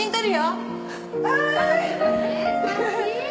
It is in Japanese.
はい。